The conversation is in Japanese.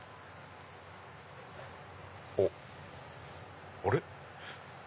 あっあれ？